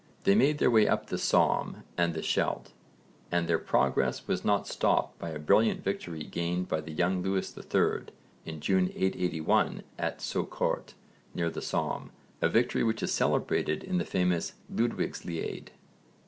They made their way up the Somme and the Scheldt and their progress was not stopped by a brilliant victory gained by the young Lewis III in June 881 at Saucourt, near the Somme, a victory which is celebrated in the famous Ludwigslied.